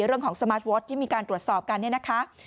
เรื่องของสมาร์ทวอชนี่มีการตรวจสอบกันเนี่ยนะคะ